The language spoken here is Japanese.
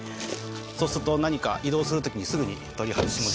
そうすると何か移動する時にすぐに取り外しもできます。